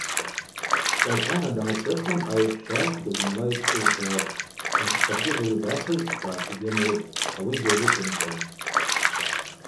Кӏакӏана дгӏашӏыхан Агӏвпшвахӏвкӏ зынла йшӏылчӏватӏ, Йхпахуз ауи дахъызтӏхӏва Йгьамуытӏ – ауи гьылзышӏымчӏватӏ.